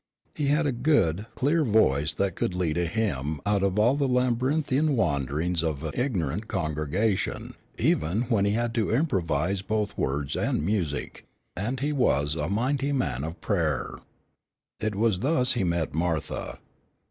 He had a good, clear voice that could lead a hymn out of all the labyrinthian wanderings of an ignorant congregation, even when he had to improvise both words and music; and he was a mighty man of prayer. It was thus he met Martha.